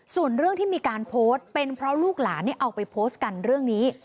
ส่วนเรื่องที่มีการโพสต์เป็นเพราะลูกหลานเอาไปโพสต์กันเรื่องนี้